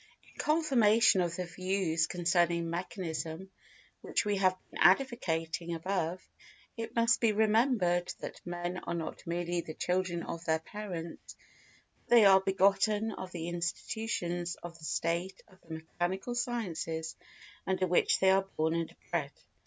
In confirmation of the views concerning mechanism which we have been advocating above, it must be remembered that men are not merely the children of their parents, but they are begotten of the institutions of the state of the mechanical sciences under which they are born and bred.